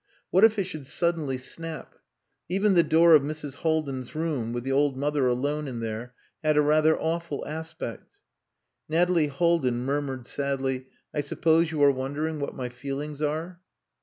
What if it should suddenly snap? Even the door of Mrs. Haldin's room, with the old mother alone in there, had a rather awful aspect. Nathalie Haldin murmured sadly "I suppose you are wondering what my feelings are?"